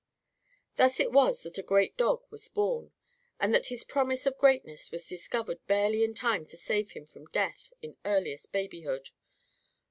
Thus it was that a great dog was born; and that his promise of greatness was discovered barely in time to save him from death in earliest babyhood.